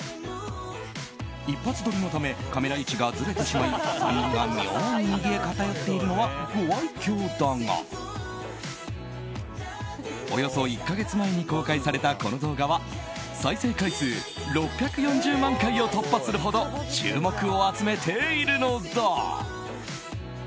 一発撮りのためカメラ位置がずれてしまい３人が妙に右に偏っているのはご愛嬌だがおよそ１か月前に公開されたこの動画は再生回数６４０万回を突破するほど注目を集めているのだ。